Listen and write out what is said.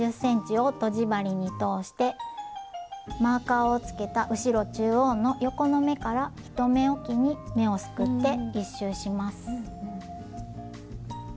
マーカーをつけた後ろ中央の横の目から１目おきに目をすくって１周します。